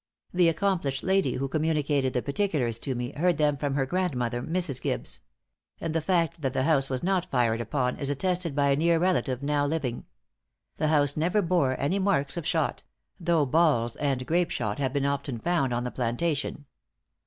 The accomplished lady who communicated the particulars to me, heard them from her grandmother, Mrs. Gibbes; and the fact that the house was not fired upon, is attested by a near relative now living. The house never bore any marks of shot; though balls and grape shot have been often found on the plantation.